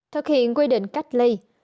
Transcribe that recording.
thực hiện quy định cách ly